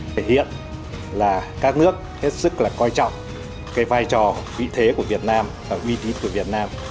thể hiện là các nước hết sức là coi trọng cái vai trò vị thế của việt nam và uy tín của việt nam